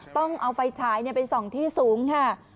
ต้องเอาไฟฉายไปส่องที่สูงค่ะ